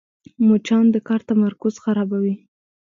مچان د کار تمرکز خرابوي